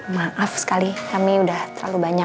maaf sekali kami udah terlalu banyak